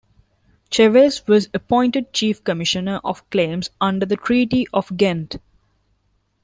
Cheves was appointed chief commissioner of claims under the Treaty of Ghent.